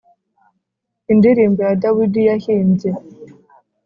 indirimbo ya Dawidi yahimbye